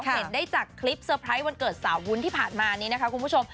เห็นได้จากคลิปเตอร์ไพรส์วันเกิดสาววุ้นที่ผ่านมานี้นะคะคุณผู้ชม